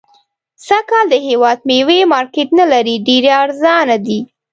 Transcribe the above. سږ کال د هيواد ميوي مارکيټ نلري .ډيري ارزانه دي